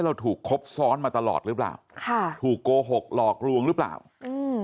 เราถูกครบซ้อนมาตลอดหรือเปล่าค่ะถูกโกหกหลอกลวงหรือเปล่าอืม